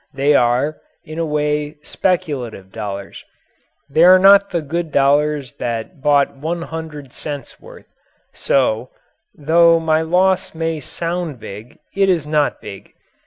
They are, in a way, speculative dollars. They are not the good dollars that bought 100 cents' worth. So, though my loss may sound big, it is not big.